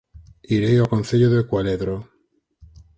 Irei ao Concello de Cualedro